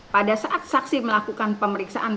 pada saat saksi melakukan pemeriksaan